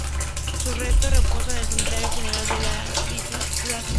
Sus restos reposan en el Cementerio General de dicha ciudad.